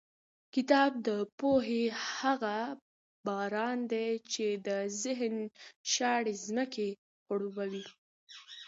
کتاب د پوهې هغه باران دی چې د ذهن شاړې ځمکې خړوبوي.